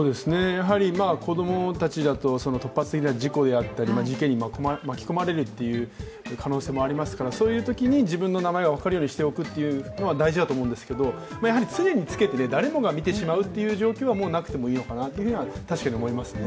子供たちだと突発的な事故であったり、事件に巻き込まれるという可能性もありますからそういうときに自分の名前が分かるようにしておくのは大事ですが常につけて、誰もが見てしまうという状況はもうなくてもいいのかなというふうには確かに思いますね。